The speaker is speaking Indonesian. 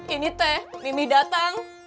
ini teh mimi datang